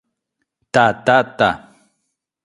Ta, ta, ta.